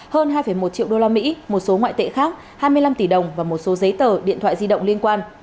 hơn hai một triệu usd một số ngoại tệ khác hai mươi năm tỷ đồng và một số giấy tờ điện thoại di động liên quan